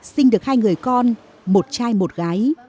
sinh được hai người con một trai một gái